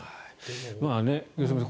良純さん